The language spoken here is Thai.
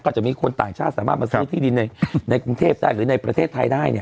จะมีคนต่างชาติสามารถมาซื้อที่ดินในกรุงเทพได้หรือในประเทศไทยได้เนี่ย